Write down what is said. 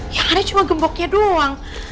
yang ada cuma gemboknya doang